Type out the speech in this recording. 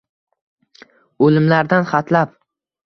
O’limlardan xatlab…